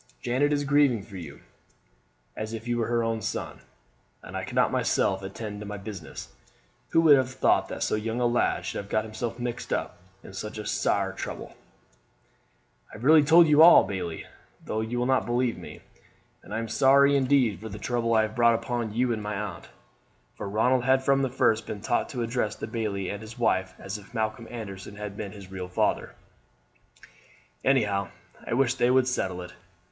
Janet is grieving for you as if you were her own son, and I cannot myself attend to my business. Who would have thought that so young a lad should have got himself mixed up in such sair trouble!" "I have really told you all, bailie, though you will not believe me, and I am sorry indeed for the trouble I have brought upon you and my aunt" for Ronald had from the first been taught to address the bailie and his wife as if Malcolm Anderson had been his real father; "anyhow I wish they would settle it.